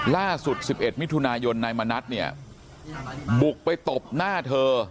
ล่าสุด๑๑มิถุนายนนายมณัฐเนี่ยบุกไปตบหน้าเธอ